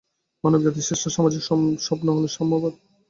মানবজাতির শ্রেষ্ঠ সামাজিক স্বপ্ন হলো সাম্যবাদ।